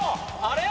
あれ？